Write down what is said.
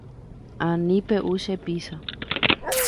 Ani pe’u che pizza.